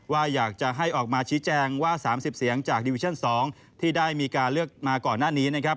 อยากจะให้ออกมาชี้แจงว่า๓๐เสียงจากดิวิชั่น๒ที่ได้มีการเลือกมาก่อนหน้านี้นะครับ